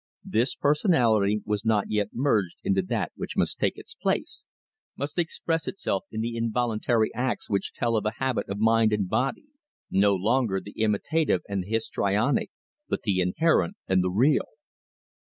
This personality was not yet merged into that which must take its place, must express itself in the involuntary acts which tell of a habit of mind and body no longer the imitative and the histrionic, but the inherent and the real.